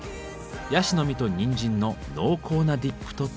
ヤシの実とにんじんの濃厚なディップとともに。